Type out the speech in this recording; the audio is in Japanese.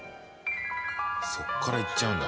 「そこからいっちゃうんだ」